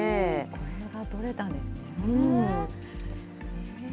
これが撮れたんですね。